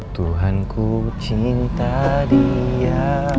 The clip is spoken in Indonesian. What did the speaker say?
tuhanku cinta dia